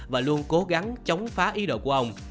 và luôn cố gắng chống phá ý đồ của ông